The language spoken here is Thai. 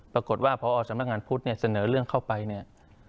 ปรากฏว่าพอสำนักงานพุทธเนี่ยเสนอเรื่องเข้าไปเนี่ย